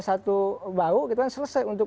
satu bau gitu kan selesai untuk